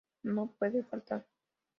No puede faltar.